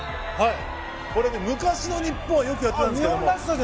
これ、昔の日本はよくやってたんですけど。